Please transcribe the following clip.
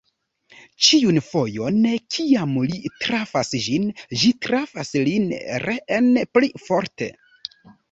Ĉiun fojon, kiam li trafas ĝin, ĝi trafas lin reen pli forte.